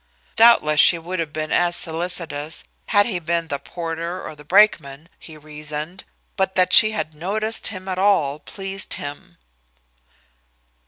Doubtless she would have been as solicitous had he been the porter or the brakeman, he reasoned, but that she had noticed him at all pleased him.